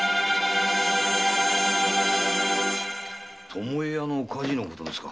巴屋の火事のことですか？